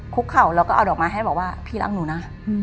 เข่าแล้วก็เอาดอกไม้ให้บอกว่าพี่รักหนูนะ